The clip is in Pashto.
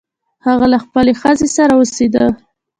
هغه له خپلې ښځې سره اوسیده.